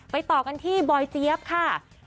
ต่อกันที่บอยเจี๊ยบค่ะ